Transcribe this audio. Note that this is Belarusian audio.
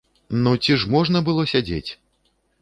Ну, ці ж можна было сядзець?